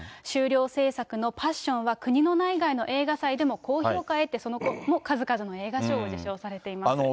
修了制作のパッションは国の内外の映画祭でも高評価を得て、その後も数々の映画賞を受賞されています。